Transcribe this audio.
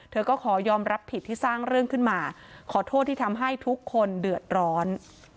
เธอก็ขอยอมรับผิดที่สร้างเรื่องขึ้นมาขอโทษที่ทำให้ทุกคนเดือดร้อน